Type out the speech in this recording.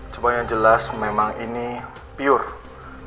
cuma yang jelas memang ini pure